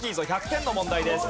１００点の問題です。